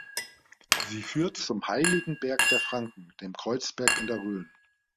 Sie führt zum „heiligen Berg der Franken“, dem Kreuzberg in der Rhön.